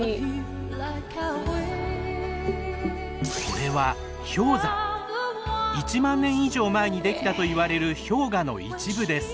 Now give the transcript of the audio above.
これは１万年以上前にできたといわれる氷河の一部です。